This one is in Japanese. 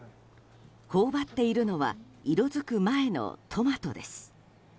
頬張っているのは色づく前のトマトです。